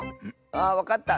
あわかった。